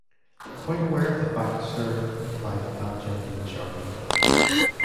‘Quite aware of the fact, Sir,’ replied the fat gentleman sharply.